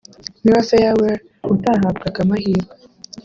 Mira Farewell utahabwaga amahirwe